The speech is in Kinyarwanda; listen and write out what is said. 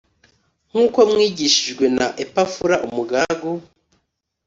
nk uko mwigishijwe na epafura umugaragu